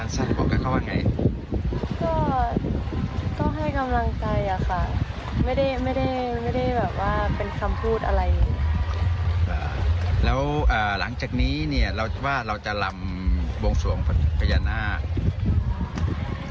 สวงพระพญานาครำไหมครับวันที่๒๒ครับ